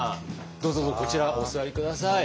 どうぞこちらお座り下さい。